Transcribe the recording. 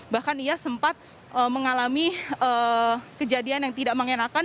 bahkan ia sempat mengalami kejadian yang tidak mengenakan